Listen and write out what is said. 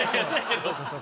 ・そうかそうか。